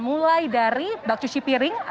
mulai dari bak cuci piring